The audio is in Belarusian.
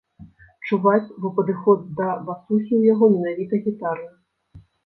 Чуваць, бо падыход да басухі ў яго менавіта гітарны.